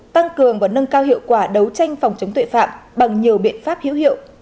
tăng cường và nâng cao hiệu quả đấu tranh phòng chống tội phạm bằng nhiều biện pháp hữu hiệu